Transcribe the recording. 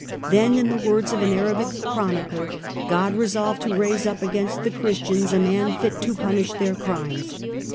Then, in the words of an Arabic chronicler, " God resolved to raise up against the Christians a man fit to punish their crimes.